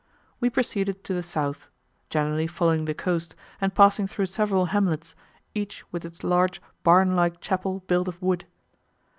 We proceeded to the south generally following the coast, and passing through several hamlets, each with its large barn like chapel built of wood.